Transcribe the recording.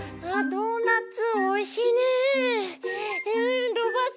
ドーナツおいしいねえ。